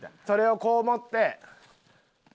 それをこう持って。